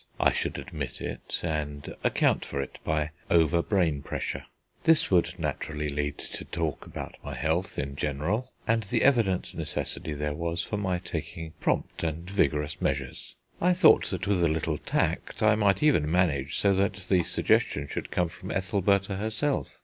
I should admit it, and account for it by over brain pressure. This would naturally lead to talk about my health in general, and the evident necessity there was for my taking prompt and vigorous measures. I thought that with a little tact I might even manage so that the suggestion should come from Ethelbertha herself.